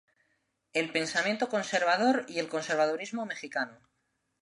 El pensamiento conservador y el conservadurismo mexicano.